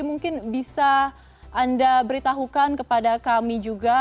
mungkin bisa anda beritahukan kepada kami juga